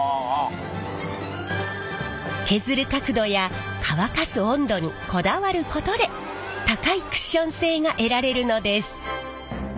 削る角度や乾かす温度にこだわることで高いクッション性が得られるのです。